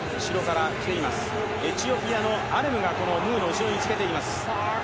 エチオピアのアレムがムーの後ろにつけています。